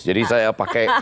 jadi saya pakai